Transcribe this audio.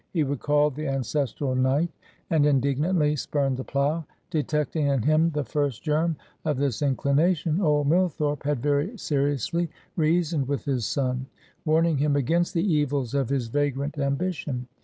He recalled the ancestral Knight, and indignantly spurned the plow. Detecting in him the first germ of this inclination, old Millthorpe had very seriously reasoned with his son; warning him against the evils of his vagrant ambition.